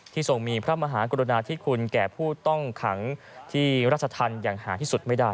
ทรงมีพระมหากรุณาธิคุณแก่ผู้ต้องขังที่ราชธรรมอย่างหาที่สุดไม่ได้